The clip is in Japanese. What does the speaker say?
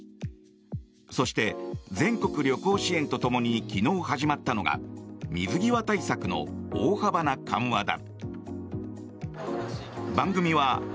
そして全国旅行支援とともに昨日、始まったのが水際対策の大幅な緩和だ。